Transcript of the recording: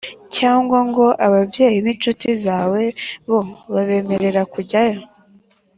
cyangwa ngo ababyeyi b incuti zanjye bo babemerera kujyayo